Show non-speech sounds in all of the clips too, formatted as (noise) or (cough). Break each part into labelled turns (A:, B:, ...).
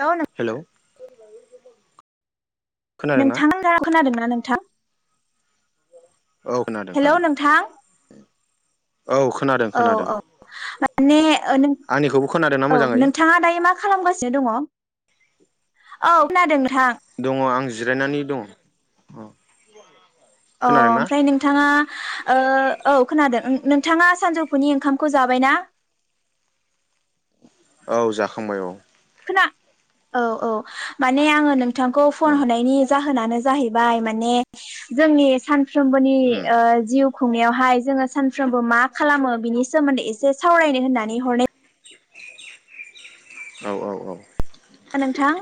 A: हेल नों
B: (unintelligible) खोनादोंना
A: नोंथाङा खोनादोंना नोंथां।
B: औ खोनादों
A: हेलौ
B: खोनादों
A: नोंथां
B: औ खोनादों
A: औ
B: खोनादों
A: औ माने ओं
B: आंनिखौबो खोनादोंना
A: औ
B: मोजाङै
A: नोंथाङा दायो मा खालामगासिनो दङ? औ खोनादों नों
B: दङ आं जिरायनानै दङ अ
A: अ ओमफ्राय नोंथाङा ओ औ खोनादों ओं नोंथाङा सानजौफुनि ओंखामखौ जाबायना?
B: औ जाखांबाय औ।
A: खोना औ औ माने आङो नों थांखौ
B: औ
A: फन होनायनि जाहोन जाहोननानो जाहैबाय माने जोंनि सान फ्रोमबोनि
B: उम
A: ओ जिउ खुंनायावहाय जोङो सानफ्रोमबो मा खालामो बिनि सोमोन्दै एसे सावरायनो होननानै हरनाय
B: औ औ औ।
A: नोंथां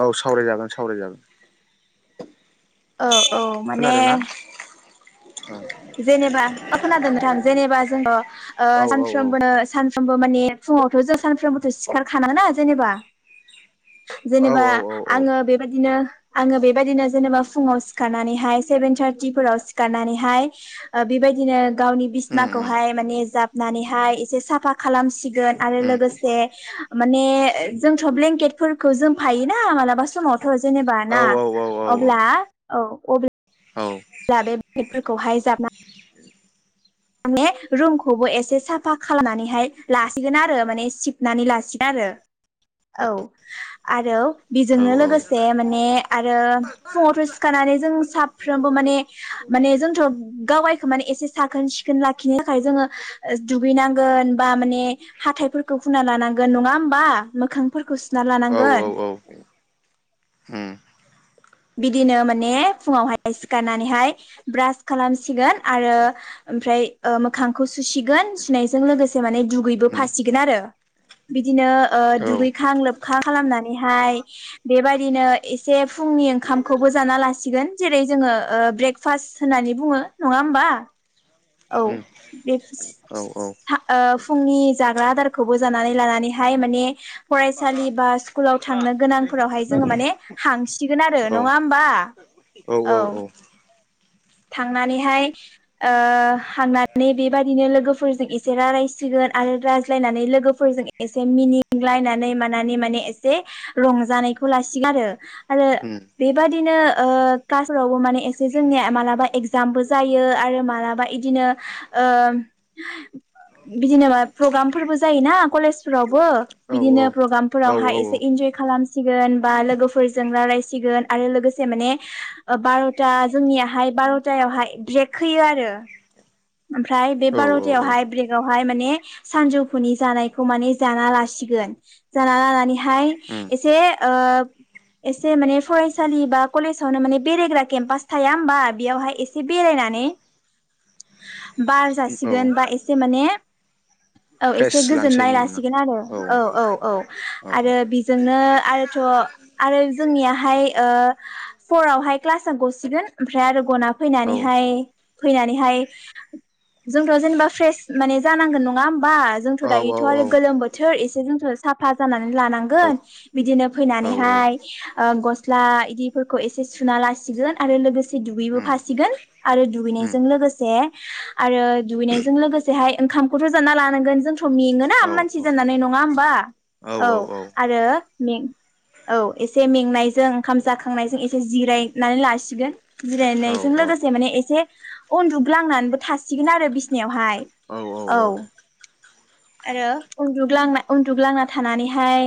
B: औ सावराय जागोन। सावराय जागोन।
A: औ औ माने।
B: खोनादोंना
A: जेनेबा अ खोनादों नोंथां जेनेबा जोङो
B: औ औ औ
A: सानफ्रोमबो सान ओमबो माने फुङावथ' जों सानफ्रोमबोथ' सिखारखानाङो ना जेनेबा जेनेबा
B: औ औ औ
A: आङो बेबायदिनो आङो बेबायदिनो जेनेबा फुङाव सिखारनानैहाय सेभेन थार्टिफोराव सिखारनानै हाय ओ बेबायदिनो गावनि
B: उम उम
A: बिसिनाखौहाय माने जाब नानैहाय एसे साफा खालामसि गोन आरो
B: उम
A: लोगोसे माने जोंथ' ब्लेंकेट फोरखौ जोम फायोना मालाबा समाव थ जेनेबा
B: औ
A: ना
B: औ औ औ
A: अब्ला औ अब
B: औ
A: ब्ला बे बेफोरखौहाय जाबना माने रुमखौबो एसे साफा खालामनानैहाय लासिगोन आरो माने सिबनानै लासिगोन आरो। औ आरो बेजोंनो लोगोसे माने आरो फुङावथ' सिखारनानै जों साफ्रोमबो माने माने जोंथ' (unintelligible) माने एसे साखोन सिखोन लाखिनो थाखाय जोङो दुगैनांगोन बा माने हाथायफोरखौ होना लानांगोन नङा होमबा मोखांफोरखौ सुना
B: औ औ
A: लानांगोन
B: औ उम
A: बिदिनो माने फुङावहाय सिखारनानैहाय ब्रास खालामसिगोन आरो ओमफ्राय ओ मोखांखौ सुसिगोन सुनायजों लोगोसे माने दुगैबो
B: उम
A: फासिगोन आरो। बि दिनो ओ
B: औ उम औ
A: दुगैखां लोबखां खालामनानैहाय बेबाय दिनो एसे फुंनि ओंखामखौबो जाना लासिगोन जेरै जोङो ब्रेकफास्ट होननानै बुङो नङा होमबा? औ
B: उम
A: बे
B: औ औ
A: (unintelligible) ओ फुंनि जाग्रा आदारखौबो जानानै लानानैहाय माने फरायसालि बा स्कुलाव थांनो गोनांफोरावहाय जोङो
B: औ
A: माने हांसिगोन आरो नङा होमबा औ थांनानैहाय ओ हांनानै बेबादिनो लोगोफोरजों एसे रायलायसिगोन आरो रायज्लायनानै लोगोफोरजों एसे मिनिंलायनानै मानानै माने एसे रंजानायखौ लासिगोन आरो। आरो
B: औ
A: बेबादिनो ओ क्लास फोरावबो माने एसे जोंनिया मालाबा एगजामबो जायो आरो मालाबा बिदिनो बिदिनो प्रग्राम फोरबो जायोना कलेजफोराव बो बिदिनो प्रग्रामफोरावहाय एसे इन्जय खालाम सिगोन बा लोगोफोरजों रायलायसिगोन आरो लोगोसे माने बार'था जोंनियाहाय बार'तायावहाय ब्रेक होयो आरो। ओमफ्राय बे
B: औ औ
A: बार'थायायाव
B: औ
A: हाय ब्रेक आव ओमफाय मोने सानजौफुनि जानायखौ माने जाना लासिगोन जाना लानानै हाय
B: उम
A: एसे ओ एसे माने फरायसालि बा कलेजावनो माने बेरायग्रा केम्पास थाया होमबा बेयावहाय एसे बेरायनानै (inaudible) बार
B: औ
A: जासिगोन बा एसे माने औ
B: फ्रेस
A: एसे
B: लानोसै
A: गोजोननाय
B: होनबाना
A: लासिगोन आरो औ औ औ
B: औ
A: आरो बेजोंनो आरोथ' आरो जोंनियाहाय फरआवहाय क्लास आ गसिगोन ओमफ्राय आरो गना
B: औ
A: फैनानैहाय फैनानै थाइ जोंथ' जेनेबा फ्रेस माने जानांगोन नङा बा जोंथ'
B: औ
A: दायोथ' आरो
B: औ
A: गोलोम बोथोर एसे जों साफा जानानै
B: औ
A: लानांगोन बिदिनो
B: औ औ
A: फैनानैहाय ओ गस्ला इदिफोरखौ एसे सुना लासिगोन आरो लोगोसे दुगैबो
B: उम
A: फासिगोन आरो
B: उम
A: दुगैनायजों लोगोसे ए आरो दुगैनायजों लोगोसेहाय ओंखामखौथ' जाना लानांगोन जों थ' मेङोना
B: औ
A: मानसि जानानै नङा होमबा औ आरो में औ एसे मेंनायजों ओंखाम जाखांनायजों एसे जिरायनानै लासिगोन
B: औ
A: जिरायनायजों
B: औ
A: लोगोसे माने एसे अन्दु ग्लांनानैबो थासिगोन आरो बिसिनायावहाय
B: औ औ औ
A: आरो उन्दुग्लां उन्दुग्लांना थानानैहाय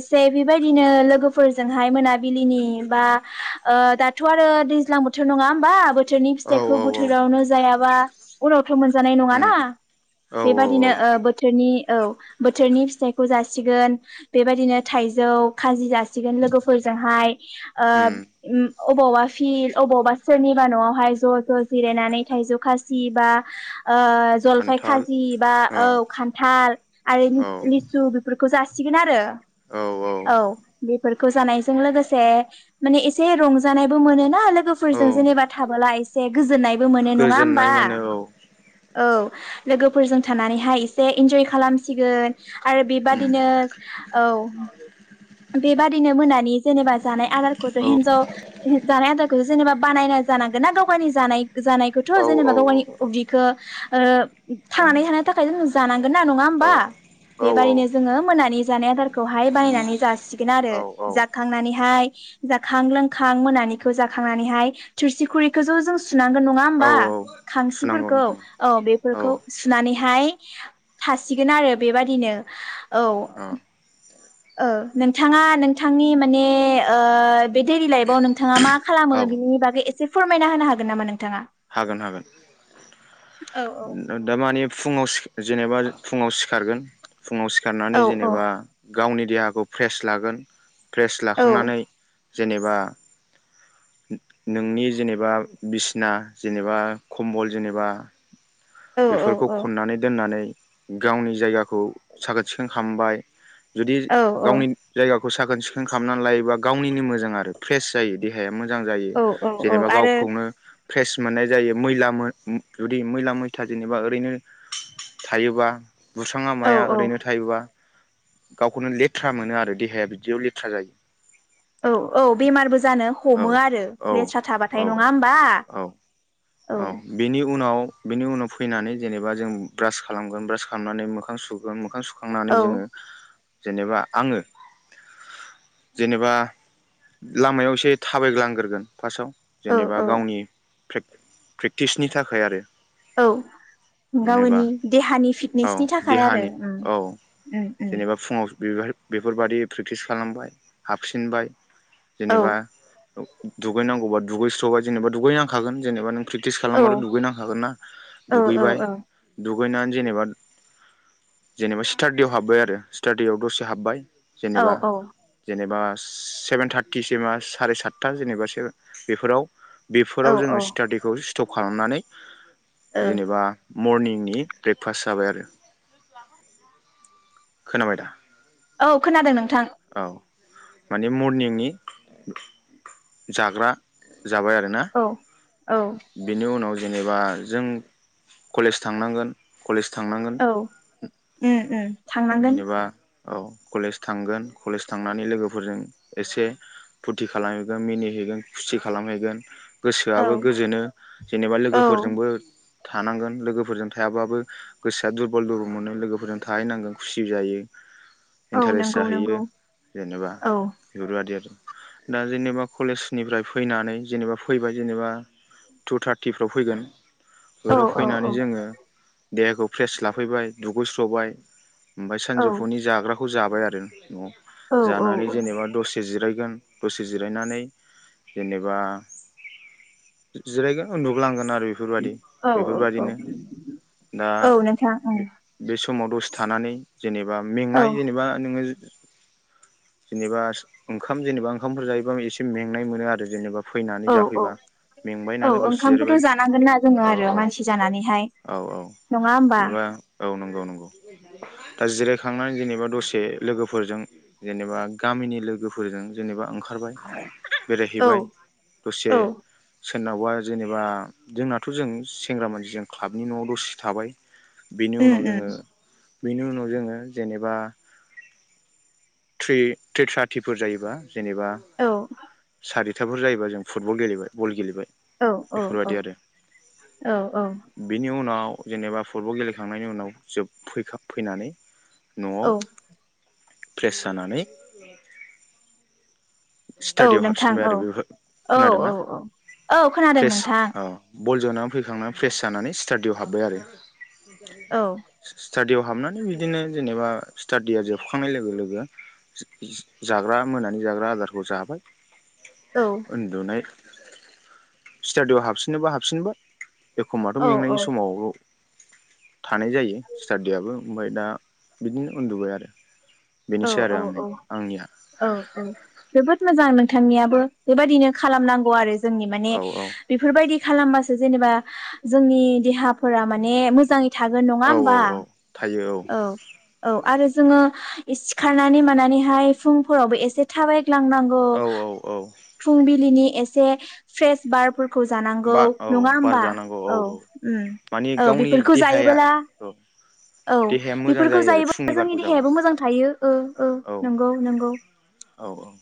A: एसे बेबायदिनो लोगोफोरजोंहाय मोना बिलिनि बा दाथ' आरो दैज्लां बोथोर नङा होमबा बो बोथोरनि
B: औ
A: फिथाइखौ
B: औ
A: बोथोरावनो जायाबा उनाव थ' मोनजानाय नङ
B: उम
A: ना
B: औ औ
A: बेबायादिनो ओ बोथोरनि औ बोथोरनि फिथाइखौ जासिगोन बेबायदिनो थाइजौ खाजि जासिगोन लोगोफोरजोंहाय ओ
B: उम
A: उम अबावबा फिल्ड अबावबा सोरनिबा न'आवहाय ज' ज' जिरायनानै थाइजौ खासि बा ओ जलफाय
B: खान्थाल
A: खाजि बा
B: अ
A: औ खान्थाल आरो
B: औ
A: लिसु बेफोरखौ जा सिगोन आरो औ बेफोर खौ जानायजों लोगोसे माने एसे रंजानायबो मोनो ना लो
B: औ
A: गोफोरजों जेनेबा थाबोला एस से गोजोननायबो मोनो नङा होमबा
B: गोजोननाय मोनो औ
A: औ लोगोफोरजों थानानैहाय एसे इन्ज'य खालामसिगोन आरो
B: उम
A: बेबादिनो औ बेबादिनो मोनानि जेनेबा जानाय आदारखौथ'
B: औ
A: हिनजाव हिन जानाय आदारखौ जेनेबा बानायना जानांगोना गाव गावनि जानाय जानाय खोथ'
B: औ औ
A: जेनेबा गाव गायनि उदिखो ओ
B: औ
A: थांनानै थानो थाखाय जोङो जानांगोन ना नङा होमबा बेबादिनो जोङो मोनानि जानाय आदार खौहाय बायनानै जासिगोन आरो
B: औ
A: जाखांनानैहाय जाखां लोंखां मोनानिखौ जाखांनानैहाय थोरसि खुरैखोज' जों सुनांगोन नङा
B: औ
A: होमबा
B: औ सुनांगौ
A: खांसिफोरखौ औ
B: औ
A: बेफोरखौ सुनानै हाय थासिगोनआरो बेबादिनो। औ उम ओ नोंथाङा नोंथांनि माने ओ बे डेरि लाइफआव नोंथाङा मा खालामो बेनि बागै एसे फोरमायना होनो हागोन नामा नों
B: हागोन हागोन
A: औ औ
B: दा दामाने फुङाव सि जेनेबा फुङाव सिखारगोन फुङाव
A: औ
B: सिखारनानै
A: औ
B: जेनेबा गावनि देहाखौ फ्रेस लागोन फ्रेस
A: औ
B: लाखांनानै जेनेबा नो-नोंनि जेनेबा बिसिना जेनेबा खम्ब'ल जेनेबा
A: औ
B: बेफोरखौ
A: औ
B: खननानै दोननानै गावनि जायगाखौ साखोन सिखोन खामबाय जुदि
A: औ
B: गावनिनो जायगा खौ साखोन सिखोन खालामनानै लायोबा गावनिनो मोजां आरो फ्रेस जायो देहा या मो जां जायो
A: औ औ औ
B: जेनेबा
A: आरो
B: गावखौनो फ्रेस मोननाय जायो मैला मो उम जुदि मैला मैथा जेनेबा ओरैनो थायोबा बुस्राङा
A: औ
B: माया
A: औ
B: ओरैनो थायोबा गावखौनो लेथ्रा मोनो आरो देहाया बिदियाव लेथ्रा जायो।
A: औ औ बेमारबो जानो
B: औ
A: हमो आरो
B: औ
A: लेस्रा
B: औ
A: थाबाथाय नङा होमबा?
B: औ औ बेनि उनाव बेनि उनाव फैनानै जेनेबा जों ब्रास खालामगोन ब्रास खालामनानै मोखां सुगोन मोखां सु खांनानै
A: औ
B: जोङो जेनेबा आङो जेनेबा लामायाव एसे थाबायग्लांग्रोगोन। फार्स्टआव
A: औ
B: जेनेबा
A: औ
B: गावनि (unintelligible) प्रेक्टिसनि थाखाय आरो।
A: औ
B: जेनेबा
A: गावनि देहानि
B: औ
A: फिटनेसनि थाखाय आरो
B: देहानि
A: उम उम उम।
B: बेफोरबायादि प्रेक्टिस खालामबाय हाबफिनबाय।
A: औ
B: जेनेबा दुगैनांगौबा दुगैस्र'बाय जेनेबा दुगैनांखागोन। जेनेबा नों प्रेकटिस
A: औ
B: खालामबाथ' दुगैनांखागोन ना
A: औ औ
B: दुगैबाय
A: औ
B: दुगैनानै जेनेबा जेनेबा स्टाडियाव हाबबाय आरो स्टाडियाव दसे हाब्बाय।
A: औ
B: जेनेबा जेनेबा सेभेन थार्टिसिमा साराय सातथा जेनेबा बेफोराव
A: औ
B: बेफोराव जोङो (unintelligible) स्टप खालामनानै।
A: औ
B: जेनेबा मर्निंनि ब्रेकफास्ट जाबाय आरो। खोनोबाय दा?
A: औ खोनादों नों
B: औ। माने मरनिंनि जाग्रा जाबाय आरोना।
A: औ औ
B: बेनि उनाव जेनेबा जों कलेज थांनांगोन कलेज थांनांगोन।
A: औ उम उम। थांनांगोन
B: जेनेबा औ कलेज थांगोन कलेज थांनानै लोगोफोरजों एसे फुरथि खालामहैगोन मिनिहैगोन खुसि खालामहैगोन।
A: औ
B: गोसोआबो गोजोनो जेनेबा
A: औ
B: लोगोफोरजोंबो थानांगोन लोगोफोरजों थायाबाबो गोसोआ दुरबल दुरबल मोनो लोगोफोरजों थाहैनांगोन खुसि जायो
A: औ
B: इन्टारेस्ट
A: नंगौ
B: जाहैयो
A: नंगौ
B: जेनेबा
A: औ
B: बिफोरबादि आरो दा जेनेबा कलेजनिफ्राय फैनानै जेनेबा फैबाय जेनेबा टु थार्टिफ्राव फैगोन
A: औ
B: फोराव
A: औ औ
B: फैनानै जोङो देहाखौ फ्रेस लाफैबाय दुगैस्र सबाय ओमफाय
A: औ
B: सानजौफुनि जाग्राखौ बेखौ जाबाय आरो न'आव
A: औ
B: जानानै जेनेबा दसे जिरायगोन दसे जिरायनानै जेनेबा जिरायगोन उन्दुग्लांगोन आरो आरो बेफोरबादि
A: औ औ
B: बेफोरबादिनो दा
A: औ नोंथां औ
B: बे समाव दसे थानानै जेनेबा
A: औ
B: मेंनाय जेनेबा नोङो जु जेनेबा ओंखाम जेनेबा ओंखामफोर जायोबा एसे मेंनाय मोनो आरो जेनेबा फैनानै
A: औ औ
B: जाफैबा मेंबाय
A: औ
B: नालाय दसे
A: ओंखामखौथ'
B: जिरायबाय
A: जानांगोन ना जोङो
B: औ
A: आरो
B: औ
A: मानसि जानानैहाय
B: औ औ
A: नङा होमबा
B: जेनेबा औ नंगौ नंगौ दा जिरायखांनानै जेनेबा दसे लोगोफोरजों जेनेबा गामिनि लोगोफोरजों जेनेबा ओंखारबाय
A: औ
B: बेरायहैबाय दसे
A: औ
B: सोरनावबा जेनेबा जोंनाथ' जों सेंग्रा मानसिजों क्लाबनि न'आव दसे थाबाय बेनि
A: उम
B: उनाव
A: उम
B: जोङो बेनि उनाव जोङो जेनेब बा। थ्रि थ्रि थारटिफोर जायोबा जेनेबा
A: औ
B: सारि खिथाफोर जायोब जों फुटबल गेलेबाय बल गेलेबाय
A: औ औ औ
B: बेफोरबायदि आरो
A: औ औ।
B: बिनि उनाव जेनेबा फुटबल गेलेखांनायनि उनाव जोबफैखा फैनानै न'आव।
A: औ
B: प्रेस जानानै
A: औ
B: स्टाडियाव
A: नोंथां
B: हाबफिनबाय
A: औ
B: आरो बेफोर
A: औ औ
B: खोनादोंना
A: औ औ खोनादों
B: फ्रेस
A: नोंथां।
B: औ बल जोनानानै फैखांनानै फ्रेस जानानै स्टाडिआव हाबबाय आरो
A: औ
B: सि-स्टाडियाव हाबनानै बिदिनो जेनेबा स्टाडिया जोबखांनाय लोगो लोगो जा जाग्रा मोनानि जाग्रा आदार खौ जाबाय
A: औ
B: उन्दुनाय स्टाडियाव हाबसिनोबा हाबसिनबा एखमबाथ' मेंनायनि
A: औ
B: समाव थानाय जायो स्टाडियाबो ओमफ्राय दा बिदिनो उन्दुबाय आरो
A: औ
B: बेनोसै आरो
A: औ
B: आंनि
A: औ
B: आंनिया
A: औ औ जोबोद मोजां नोंथांनियाबो बेबायदिनो खालामनांगौ आरो जोंनि माने
B: औ औ
A: बेफोरबायदि खालामबासो जेनेबा जोंनि देहाफोरा माने मोजाङै थागोन नङा
B: औ औ
A: होमबा
B: औ थायो
A: औ औ आरो जोङो सिखारनानै मानानैहाय फुंफोरावबो एसे थाबाय लांनांगौ
B: औ औ औ
A: फुंबिलिनि एसे फ्रेस बारफोर जानांगौ
B: बा औ
A: नङा
B: बार
A: होमबा
B: जानांगौ
A: औ ओम
B: माने
A: औ
B: गावनि
A: बेफोरखौ
B: देहाया
A: जायोबोला
B: औ
A: औ
B: देहाया मोजां
A: बेफोरखौ
B: जायो आरो फुंनि
A: जायोब्ला जोंनि
B: बारखौ जाबा
A: देहायाबो मोजां थायो ओ ओ
B: औ
A: नंगौ नंगौ
B: औ औ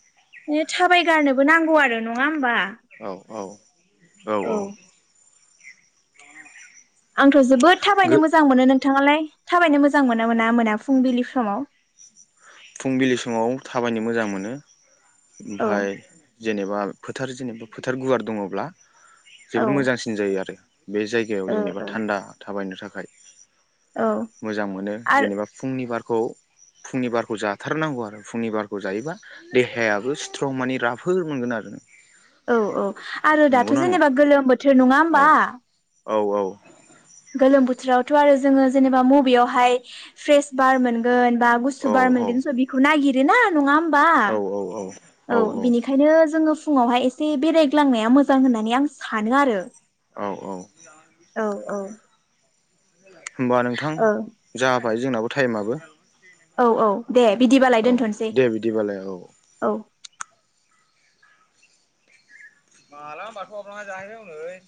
A: बे थाबायगारनोबो नांगौ आरो नङा होमबा
B: औ औ औ औ
A: आंथ' जोबोद थाबायनो मोजां मोनो नोंथाङालाय थाबायनो मोजां मोना मोना मोना फुंबिलि समाव
B: फुंबिलि समाव थाबायनो मोजां मोनो
A: औ
B: ओमफाय जेनेबा फोथार जेनेबा फोथार गुवार दङब्ला
A: औ
B: जोबोद मोजांसिन जायो आरो बे जायगायाव
A: ओ
B: जेनेबा थान्दा थाबायनो थाखाय
A: ओ औ
B: खाय मोजां मोनो
A: आरो
B: जेनेबा फुंनि बार खौ फुंनि बार खौ जाथारनांगौ आरो फुंनिबारखौ जायोबा देहायाबो स्ट्रं माने राफो मोनगोन आरो
A: औ औ आरो दाथ'
B: नंगौना नङा
A: जेनेबा गोलोम बो थो नङा होमबा
B: औ औ
A: गोलोम बोथोरावथ' आरो जोङो जेनेबा मबेयावहाय फ्रेस बार मोनगोन बा गुसु
B: औ
A: बार
B: औ
A: मोनगोन स बिखौ नागि ओ ना नुङा ओम
B: औ औ औ
A: औ बिनिखायनो जोङो फुङावहाय एसे बेरायग्लांनाया मोजां होननानै आं सानो आरो
B: औ औ
A: औ औ
B: होमबा नोंथां
A: औ
B: जा बाय जोंनाबो टाइमाबो
A: औ औ दे बिदिबालाय
B: औ
A: दोनथ'नोसै
B: दे बिदिबालाय औ
A: औ
B: माला होमबाथ' अमा थाहैनांगौलै।